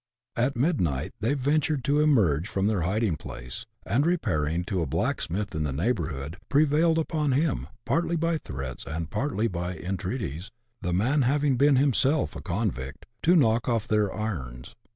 At midnight they ventured to emerge from their hiding place, and repairing to a blacksmith in the neighbourhood, prevailed on him, partly by threats and partly by entreaties (the man having been himself a convict), to knock off their irons.